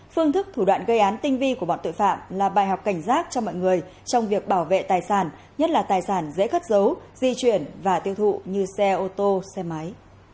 phương thức thủ đoạn gây án tinh vi của bọn tội phạm là bài học cảnh giác cho mọi người trong việc bảo vệ tài sản nhất là tài sản dễ cất dấu di chuyển và tiêu thụ như xe ô tô xe máy